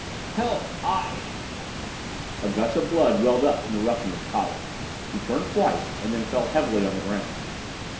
"Help! I I " A gush of blood welled up from the ruffian's collar. He turned twice, and then fell heavily on the ground.